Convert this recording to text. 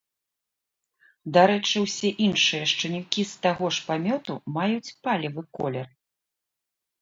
Дарэчы, усе іншыя шчанюкі з таго ж памёту маюць палевы колер.